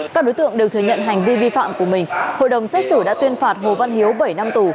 các đối tượng đều thừa nhận hành vi vi phạm của mình hội đồng xét xử đã tuyên phạt hồ văn hiếu bảy năm tù